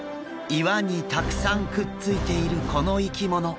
岩にたくさんくっついているこの生き物。